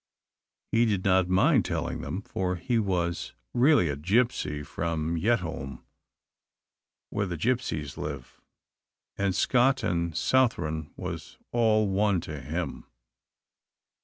He did not mind telling them, for he was really a gipsy from Yetholm, where the gipsies live, and Scot or Southron was all one to him.